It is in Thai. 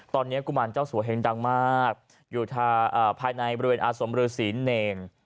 ตอนนี้กุมารเจ้าสัวเฮงดังมากอยู่ภายในบริเวณอาสมฤษีเนร